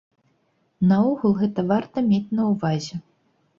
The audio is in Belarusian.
Наогул, гэта варта мець на ўвазе.